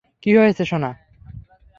কি হয়েছে, সোনা?